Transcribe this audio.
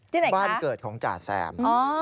ที่ไหนคะบ้านเกิดของจาแซม